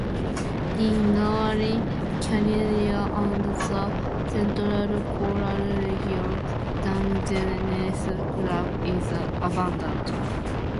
In Northern California and the Central Coastal region, Dungeness crab is abundant.